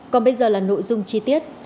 còn bây giờ là nội dung chi tiết